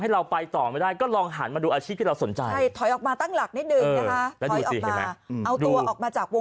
เอาตัวออกมาจากวงปัญหาก่อน